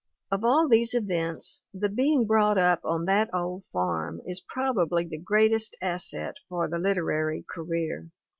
Of all these events, the being brought up on that old farm is probably the greatest asset for the literary career.